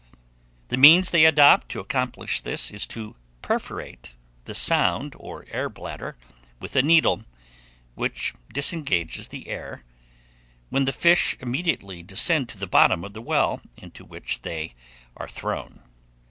The means they adopt to accomplish this, is to perforate the sound, or air bladder, with a needle, which disengages the air, when the fishes immediately descend to the bottom of the well, into which they are thrown.